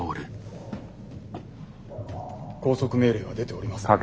拘束命令は出ておりませんので。